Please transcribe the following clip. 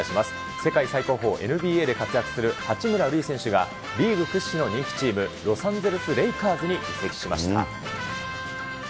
世界最高峰ＮＢＡで活躍する八村塁選手が、リーグ屈指の人気チーム、ロサンゼルスレイカーズに移籍しました。